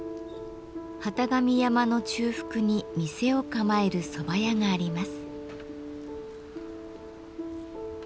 機神山の中腹に店を構える蕎麦屋があります。